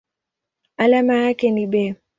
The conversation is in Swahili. Alama yake ni Be.